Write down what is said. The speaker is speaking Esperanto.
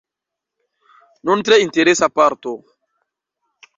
Nun tre interesa parto.